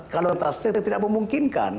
kalau taksi itu tidak memungkinkan